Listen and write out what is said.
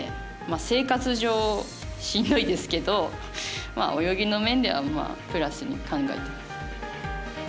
生活上、しんどいですけど泳ぎの面ではプラスに考えています。